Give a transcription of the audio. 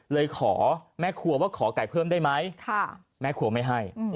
เลยขอแม่ครัวว่าขอไก่เพิ่มได้ไหมแม่ครัวไม่ให้